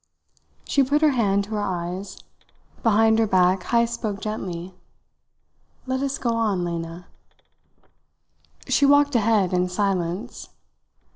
She put her hand to her eyes. Behind her back Heyst spoke gently. "Let us get on, Lena." She walked ahead in silence.